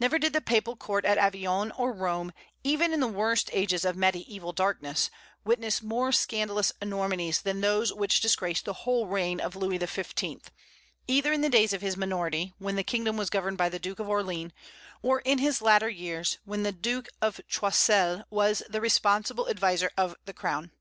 Never did the Papal court at Avignon or Rome, even in the worst ages of mediaeval darkness, witness more scandalous enormities than those which disgraced the whole reign of Louis XV., either in the days of his minority, when the kingdom was governed by the Duke of Orleans, or in his latter years, when the Duke of Choiseul was the responsible adviser of the crown.